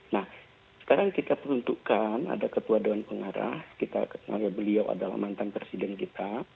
nah sekarang kita peruntukkan ada ketua dewan pengarah kita kenal ya beliau adalah mantan presiden kita